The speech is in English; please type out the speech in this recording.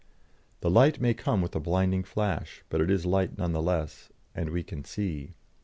The light may come with a blinding flash, but it is light none the less, and we can see.